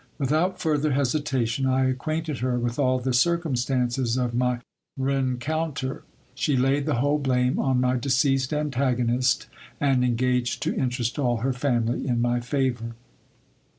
Without further hesitation, I acquainted her with all the circumstances of my rencounter : she laid the whole blame on my deceased antagonist, and engaged to interest all her family in my favour.